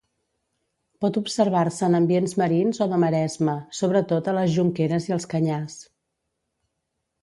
Pot observar-se en ambients marins o de maresma, sobretot a les jonqueres i als canyars.